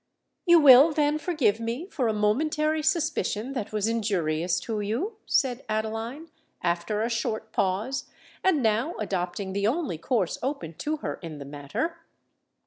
"You will then forgive me for a momentary suspicion that was injurious to you?" said Adeline, after a short pause, and now adopting the only course open to her in the matter.